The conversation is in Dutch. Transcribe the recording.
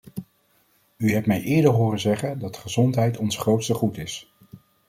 U hebt mij eerder horen zeggen dat gezondheid ons grootste goed is.